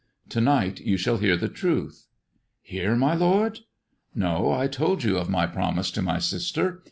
To night you shall hear the truth." "Here, my lord]" "No. I told you of my promise to my sister.